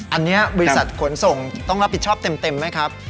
อันนี้บริษัทขนส่งต้องรับผิดชอบเต็มไหมครับ